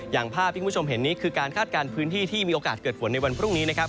อย่างภาพที่คุณผู้ชมเห็นนี้คือการคาดการณ์พื้นที่ที่มีโอกาสเกิดฝนในวันพรุ่งนี้นะครับ